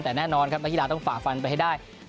แต่แน่นอนครับมะนิลลาต้องฝากฟันไปให้ได้